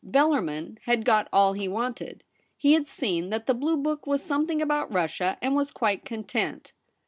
Bellarmin had got all he wanted ; he had seen that the blue book was something about Russia, and was quite content.